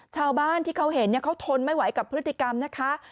ชาวบ้านที่เขาเห็นเขาทนไม่ไหวกับพฤติกรรมนะคะ